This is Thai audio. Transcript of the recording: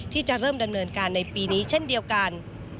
ที่จะเริ่มดำเนินการในปีนี้เช่นเดียวกัน